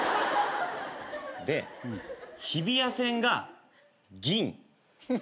で日比谷線が銀。